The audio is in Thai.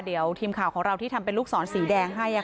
เดี๋ยวทีมข่าวของเราที่ทำเป็นลูกศรสีแดงให้